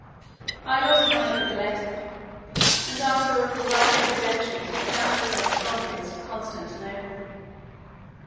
I lost mine at the Goletta, and after a variety of adventures we found ourselves comrades at Constantinople.